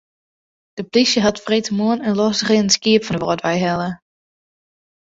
De plysje hat freedtemoarn in losrinnend skiep fan de Wâldwei helle.